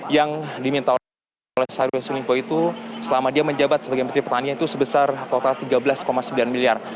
yang diminta oleh syahrul yassin limpo itu selama dia menjabat sebagai menteri pertanian itu sebesar total tiga belas sembilan miliar